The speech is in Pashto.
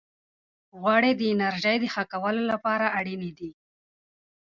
غوړې د انرژۍ د ښه کولو لپاره اړینې دي.